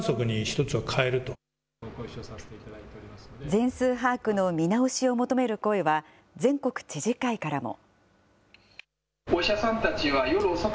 全数把握の見直しを求める声は、全国知事会からも。